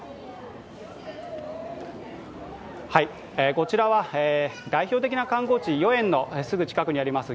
こちらは代表的な観光地豫園のすぐ近くにあります